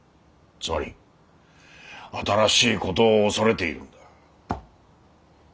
つまり新しい事を恐れているんだ。